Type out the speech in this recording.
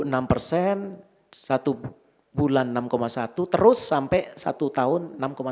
enam persen satu bulan enam satu terus sampai satu tahun enam tujuh